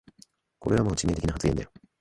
これはもう致命的な発言だよ